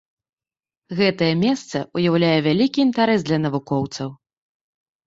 Гэтае месца ўяўляе вялікі інтарэс для навукоўцаў.